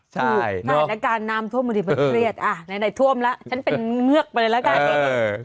ใช่ในการนำท่วมมาดีมันเครียดในท่วมละฉันเป็นเงือกไปเลยละกัน